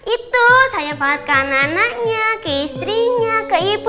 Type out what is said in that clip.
itu sayang banget ke anak anaknya ke istrinya ke ibu